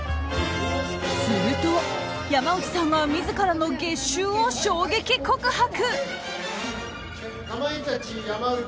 すると、山内さんが自らの月収を衝撃告白。